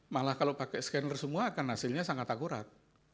malah kalau pakai scanner semua akan hasilnya sangat akurat